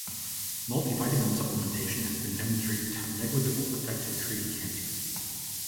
"Multivitamin" supplementation has been demonstrated to have negligible effect in treating cancer.